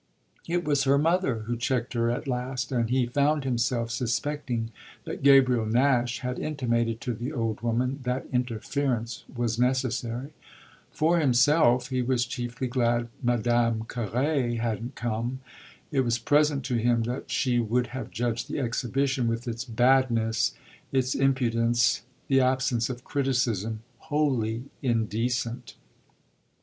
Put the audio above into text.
It was her mother who checked her at last, and he found himself suspecting that Gabriel Nash had intimated to the old woman that interference was necessary. For himself he was chiefly glad Madame Carré hadn't come. It was present to him that she would have judged the exhibition, with its badness, its impudence, the absence of criticism, wholly indecent.